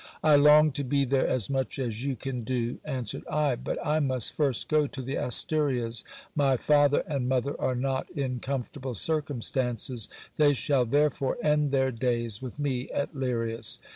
I long to be there as much as you can do, answered I ; but I must first go to the Asturias. My father and mother are not in comfortable circumstances. They shall therefore end their days with me at Lirias.